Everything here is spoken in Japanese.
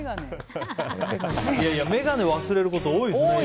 眼鏡忘れること多いですね。